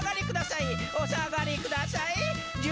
「お下がりくださいー」